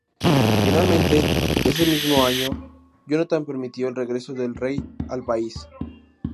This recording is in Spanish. Finalmente, ese mismo año, Jonathan permitió el regreso del Rey al país.